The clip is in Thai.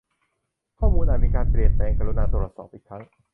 ข้อมูลอาจมีการเปลี่ยนแปลงกรุณาตรวจสอบอีกครั้ง